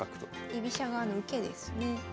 居飛車側の受けですね。